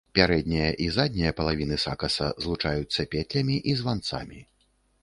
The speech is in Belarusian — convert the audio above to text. Пярэдняя і задняя палавіны сакаса злучаюцца петлямі і званцамі.